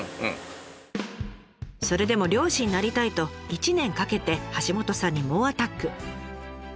それでも漁師になりたいと１年かけて橋本さんに猛アタック。